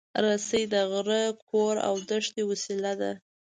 رسۍ د غره، کور، او دښتې وسیله ده.